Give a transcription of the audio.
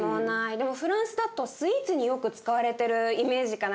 でもフランスだとスイーツによく使われてるイメージかな。